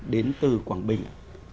đến từ quảng bình